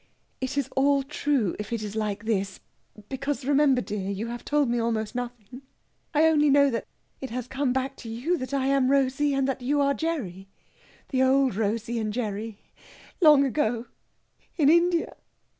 It is all true if it is like this, because remember, dear, you have told me almost nothing.... I only know that it has come back to you that I am Rosey and that you are Gerry the old Rosey and Gerry long ago in India...."